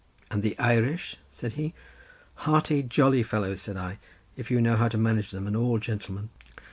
"And the Irish?" said he. "Hearty, jolly fellows," said I, "if you know how to manage them, and all gentlemen."